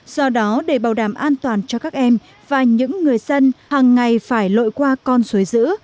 do đó để bảo đảm an toàn cho các em và những người dân hàng ngày phải lội qua con suối dữ